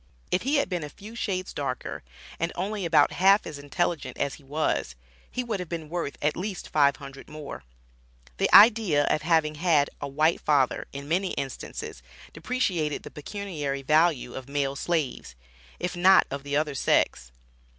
If he had been a few shades darker and only about half as intelligent as he was, he would have been worth at least $500 more. The idea of having had a white father, in many instances, depreciated the pecuniary value of male slaves, if not of the other sex.